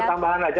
satu tambahan aja